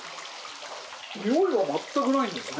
においは全くないんですね。